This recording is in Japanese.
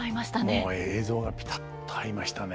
もう映像がピタッと合いましたね。